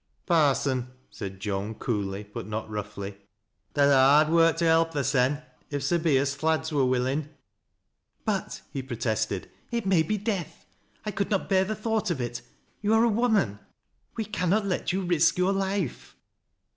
'" Parson," said Joan coolly, but not roughly, " tha'd ha hard work to help thysen, if bo be as th' lade wu? wiUin' " m THE PIT. 231 " But," he pretested, " it may be death. 1 coulJ not bear the thought of it. You ai"e a woman. We cannot let you risk your life."